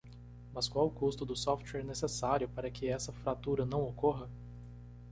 Mas qual o custo do software necessário para que essa fratura não ocorra?